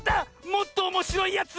もっとおもしろいやつ！